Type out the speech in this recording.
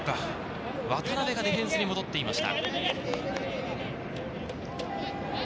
渡辺がディフェンスに戻っていました。